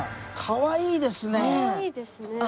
かわいいですね。